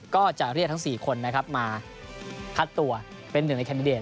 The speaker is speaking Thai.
ก็จะเรียกทั้ง๔คนนะครับมาคัดตัวเป็นหนึ่งในแคนดิเดต